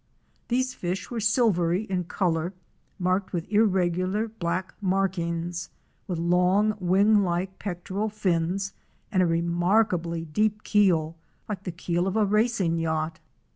These fish were silvery in color, marked with irregular black markings, with long, wing like pectoral fins and a remarkably deep keel, like the keel of a racing yacht.